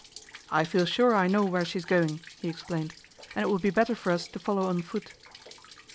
'I feel sure I know where she is going,' he explained, 'and it will be better for us to follow on foot.